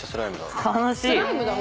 楽しい！